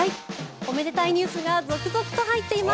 おめでたいニュースが続々と入っています。